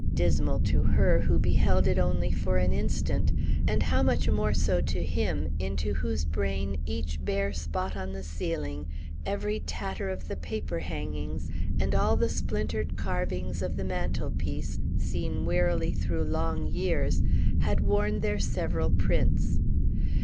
Dismal to her, who beheld it only for an instant; and how much more so to him, into whose brain each bare spot on the ceiling, every tatter of the paper hangings, and all the splintered carvings of the mantelpiece, seen wearily through long years, had worn their several prints!